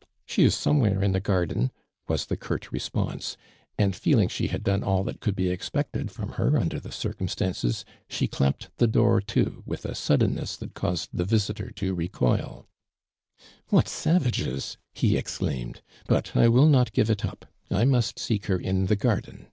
'" "She is somowliere in the garden," was ilie curt response, and feeling she had done all that could be expected from her im der the circumstances, she clapped the door to with a suddenness that caused the visi tor to recoil. •• What savages!" lie exclaimed, " but I will not give it up. 1 must seek her in the garden."'